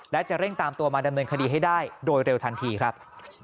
และจะเร่งตามตัวมาดำเนินคดีให้ได้โดยเร็วทันทีครับ